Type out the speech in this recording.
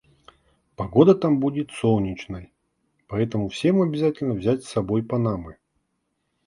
Погода там будет солнечной, поэтому всем обязательно взять с собой панамы.